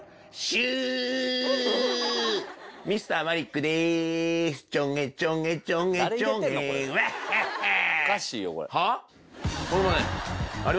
シューＭｒ．マリックですチョゲチョゲチョゲチョゲワッハッハー